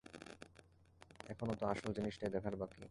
এখনও তো আসল জিনিসটাই দেখার বাকি।